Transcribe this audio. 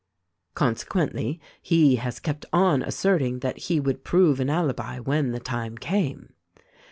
"Consequently, he has kept on asserting that he would prove an alibi, when the time came.